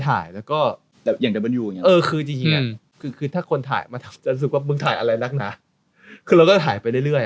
ถ้าเป็นคนที่ทำรักนะต้องถ่ายไปเรื่อย